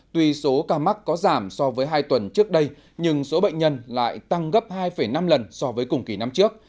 tuy số ca mắc có giảm so với hai tuần trước đây nhưng số bệnh nhân lại tăng gấp hai năm lần so với cùng kỳ năm trước